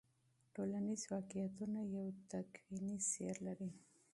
ټولنیز واقعیتونه یو تکویني سیر لري.